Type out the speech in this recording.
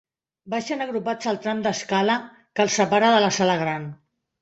Baixen agrupats el tram d'escala que els separa de la sala gran.